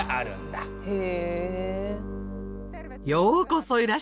へえ。